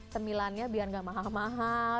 semilannya biar nggak mahal mahal